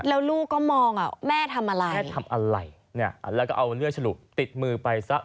แล้วลูกก็มองอ่ะแม่ทำอะไรแม่ทำอะไรเนี่ยแล้วก็เอาเลือดฉลุติดมือไปซะ